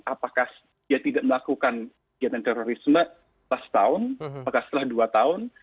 apakah dia tidak melakukan kegiatan terorisme setelah setahun apakah setelah dua tahun